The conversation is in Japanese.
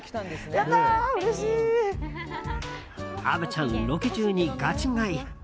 虻ちゃん、ロケ中にガチ買い。